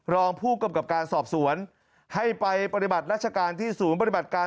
รองผู้กำกับการสอบสวนให้ไปปฏิบัติราชการที่ศูนย์ปฏิบัติการ